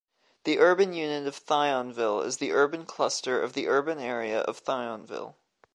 The urban unit of Thionville is the urban cluster of the urban area of Thionville.